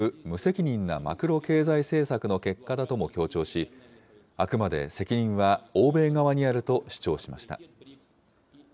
Ｇ７・主要７か国による無責任なマクロ経済政策の結果だとも強調し、あくまで責任は欧米側にあると主張しました。